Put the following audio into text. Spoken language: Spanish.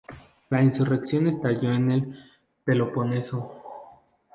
La insurrección estalló en el Peloponeso.